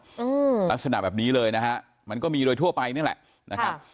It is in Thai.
อืมลักษณะแบบนี้เลยนะฮะมันก็มีโดยทั่วไปนี่แหละนะครับ